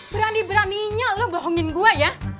berani beraninya lu bohongin gua ya